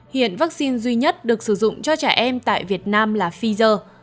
hiện vaccine duy nhất được sử dụng cho trẻ em tại việt nam là pfizer